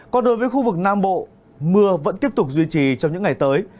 còn đối với khu vực nam bộ mưa vẫn tiếp tục duy trì trong những ngày tới